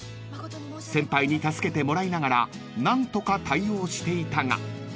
［先輩に助けてもらいながら何とか対応していたが］